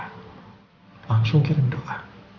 langsung kirim doka